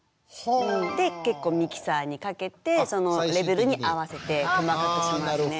で結構ミキサーにかけてそのレベルに合わせて細かくしますね。